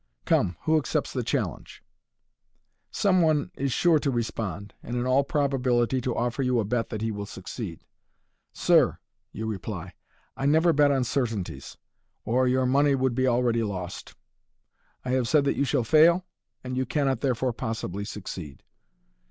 Come, who accepts the challenge ? n Some one is sure to respond, and in all probability to offer you a bet that he will succeed. " Sir," you reply, u I never bet on certainties, or your money would be already lost. I have said that you shall fail, and you cannot, therefore pos sibly succeed."